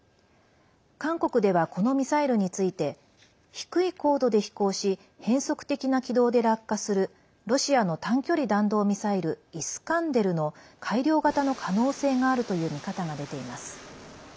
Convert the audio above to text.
韓国では、このミサイルについて低い高度で飛行し変則的な軌道で落下するロシアの短距離弾道ミサイル「イスカンデル」の改良型の可能性があるという見方が出ています。